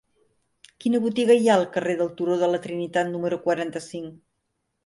Quina botiga hi ha al carrer del Turó de la Trinitat número quaranta-cinc?